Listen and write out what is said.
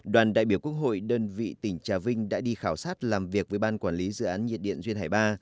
đoàn đại biểu quốc hội đơn vị tỉnh trà vinh đã đi khảo sát làm việc với ban quản lý dự án nhiệt điện duyên hải ba